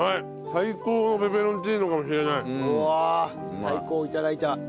「最高」頂いた。